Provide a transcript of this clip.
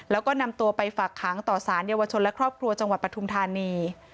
แล้วก็นำตัวไปฝากขังต่อสารเยาวชนและครอบครัวจังหวัดปทุมธานี